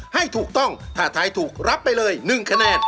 ให้ถูกต้องถ้าทายถูกรับไปเลย๑คะแนน